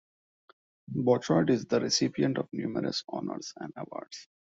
Bouchard is the recipient of numerous honors and awards.